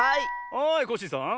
はいコッシーさん。